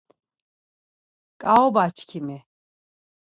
Ǩaoba çkimi!